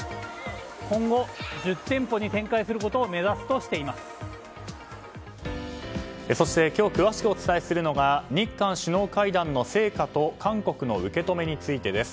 今後、１０店舗に展開することをそして今日詳しくお伝えするのが日韓首脳会談の成果と韓国の受け止めについてです。